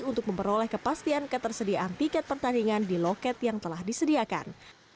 untuk memperoleh kepastian ketersediaan tiket pertandingan di loket yang telah disediakan